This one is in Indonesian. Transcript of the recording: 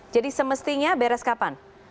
jadi semestinya beres kapan